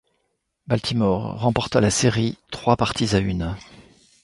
Baltimore remporta la série trois parties à une.